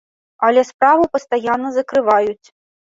Але справу пастаянна закрываюць.